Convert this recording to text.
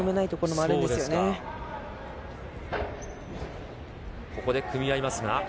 ここで組み合いますが。